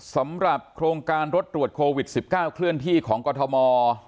สำหรับโครงการรถตรวจโควิด๑๙เคลื่อนที่ของกรทม